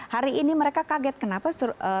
hari ini mereka kaget kenapa